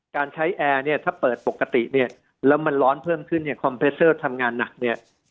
การใช้แอร์เนี่ยถ้าเปิดปกติเนี่ยแล้วมันร้อนเพิ่มขึ้นเนี่ยคอมเพสเตอร์ทำงานหนักเนี่ย